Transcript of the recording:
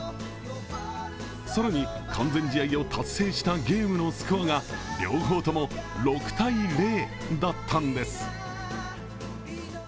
更に、完全試合を達成したゲームのスコアが両方とも６−０だったんです。